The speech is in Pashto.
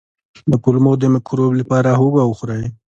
د کولمو د مکروب لپاره هوږه وخورئ